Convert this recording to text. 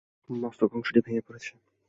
মস্তক অংশটি ভেঙে পড়েছে।